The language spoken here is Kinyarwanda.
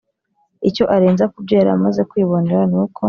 icyo arenza kubyo yaramaze kwibonera nuko